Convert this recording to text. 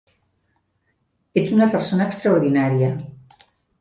Ets una persona extraordinària.